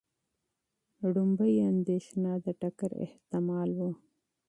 لومړنۍ اندېښنه د ټکر احتمال و.